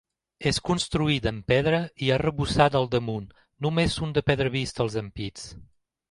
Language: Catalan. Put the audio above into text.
És construïda amb pedra i arrebossada al damunt, només són de pedra vista els ampits.